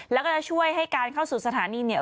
แล้วก็จะช่วยให้การเข้าสู่สถานีเนี่ย